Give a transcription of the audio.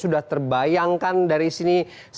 sudah terbayangkan dari sini